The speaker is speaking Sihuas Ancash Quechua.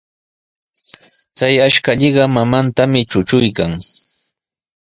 Chay ashkallaqa mamantami trutruykan.